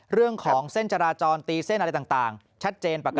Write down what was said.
เรื่องของเส้นจราจรตีเส้นอะไรต่างชัดเจนปกติ